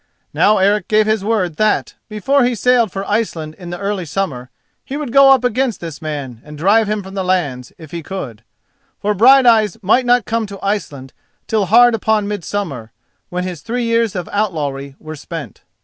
Now Eric gave his word that, before he sailed for Iceland in the early summer, he would go up against this man and drive him from the lands, if he could. For Brighteyes might not come to Iceland till hard upon midsummer, when his three years of outlawry were spent.